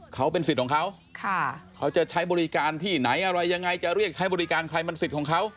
เขาเป็นสิทธิ์ของเขาเขาจะใช้บริการที่ไหนอะไรยังไงจะเรียกใช้บริการใครมันสิทธิ์ของเขา